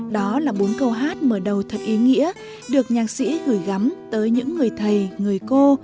đó là bốn câu hát mở đầu thật ý nghĩa được nhạc sĩ gửi gắm tới những người thầy người cô